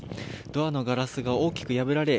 ドアのガラスが大きく破られ